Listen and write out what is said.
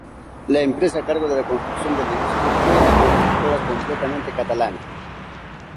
La empresa a cargo de la construcción del edificio fue la constructora Completamente Catalana.